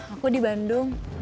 aku di bandung